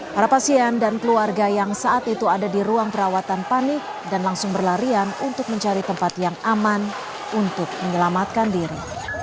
para pasien dan keluarga yang saat itu ada di ruang perawatan panik dan langsung berlarian untuk mencari tempat yang aman untuk menyelamatkan diri